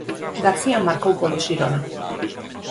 García marcou polo Xirona.